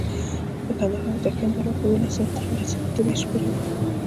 د کندهار هوتکیانو دولت له اوولس سوه تر اوولس سوه اته دیرش پورې و.